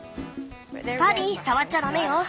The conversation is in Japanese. パディ触っちゃダメよ！